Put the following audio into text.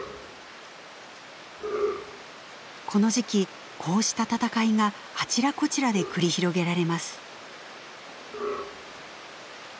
この時期こうした戦いがあちらこちらで繰り広げられます。